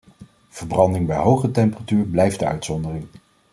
Verbranding bij hoge temperatuur blijft de uitzondering.